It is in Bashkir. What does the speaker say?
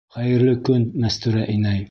Хәйерле көн, Мәстүрә инәй.